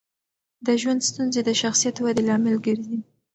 د ژوند ستونزې د شخصیت ودې لامل ګرځي.